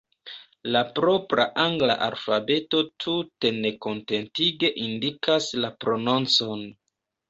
La propra angla alfabeto tute nekontentige indikas la prononcon.